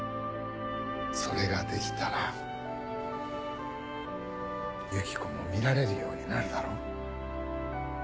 それができたらユキコも見られるようになるだろ？